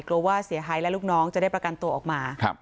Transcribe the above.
กลัวว่าเสียหายและลูกน้องจะได้ประกันตัวออกมา